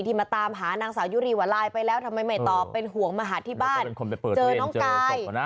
มาตามหานางสาวยุรีว่าไลน์ไปแล้วทำไมไม่ตอบเป็นห่วงมาหาที่บ้านเจอน้องกาย